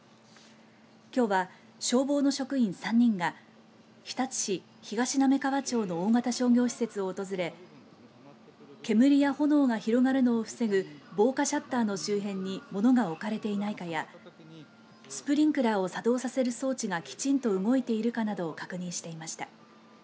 きょうは、消防の職員３人が日立市東滑川町の大型商業施設を訪れ煙や炎が広がるのを防ぐ防火シャッターの周辺に物が置かれていないかやスプリンクラーを作動させる装置がきちんと動いているかなどを確認していました。